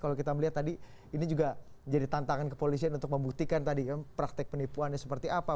kalau kita melihat tadi ini juga jadi tantangan kepolisian untuk membuktikan tadi kan praktek penipuannya seperti apa